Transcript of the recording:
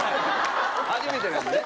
初めてなんでね。